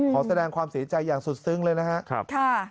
ขอแสดงความสินใจอย่างสุดซึ้งเลยนะฮะ